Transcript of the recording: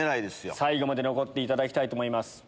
最後まで残っていただきたいと思います。